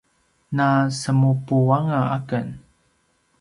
nasemupuanga aken